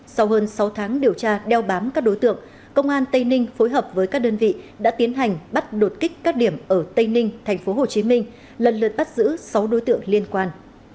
sau hơn sáu tháng điều tra đeo bám các đối tượng công an tây ninh phối hợp với các đơn vị đã tiến hành bắt đột kích các điểm ở tây ninh tp hcm lần lượt bắt giữ sáu đối tượng liên quan